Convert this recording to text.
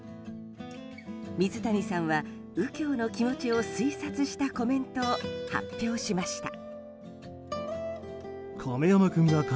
水谷さんは右京の気持ちを推察したコメントを発表しました。